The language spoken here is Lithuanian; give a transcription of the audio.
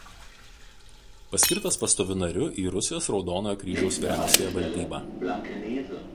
Paskirtas pastoviu nariu į Rusijos Raudonojo Kryžiaus vyriausiąją valdybą.